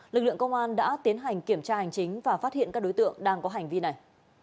lực lượng công an đã tiến hành kiểm tra hành chính và phát hiện các đối tượng đang có hành vi này